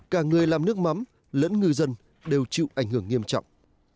cả người làm nước mắm lẫn ngư dân đều chịu ảnh hưởng nghiêm trọng